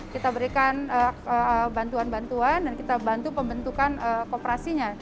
kita berikan bantuan bantuan dan kita bantu pembentukan kooperasinya